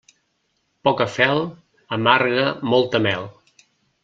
Poca fel amarga molta mel.